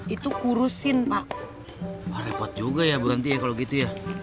itu kurus bapak repot juga ya berhenti kalau gitu ya